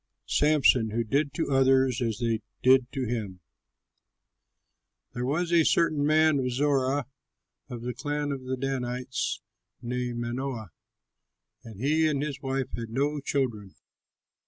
SAMSON WHO DID TO OTHERS AS THEY DID TO HIM There was a certain man of Zorah, of the clan of the Danites, named Manoah; and he and his wife had no children.